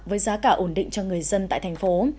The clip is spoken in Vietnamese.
với giá cả ổn định cho người dân tại thành phố